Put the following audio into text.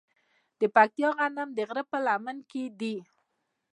د پکتیا غنم د غره په لمن کې دي.